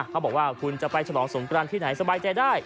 เขาบอกว่าคุณจะไปฉลองสงกรานที่ไหนสบายใจได้